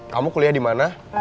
kamu kuliah di mana